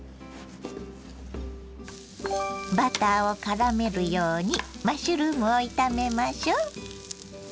バターをからめるようにマッシュルームを炒めましょ。